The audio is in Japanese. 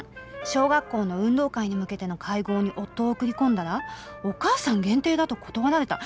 「小学校の運動会に向けての会合に夫を送り込んだらお母さん限定だと断られた」。